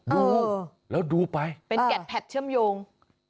ดูแล้วดูไปเป็นแกดแพทเชื่อมโยง